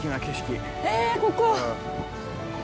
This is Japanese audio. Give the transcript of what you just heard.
へえここ。